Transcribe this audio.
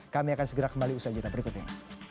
kami akan segera kembali usai juta berikutnya